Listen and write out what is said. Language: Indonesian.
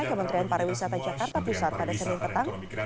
kementerian pariwisata jakarta pusat pada senin petang